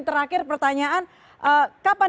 terakhir pertanyaan kapan